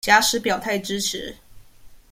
假使表態支持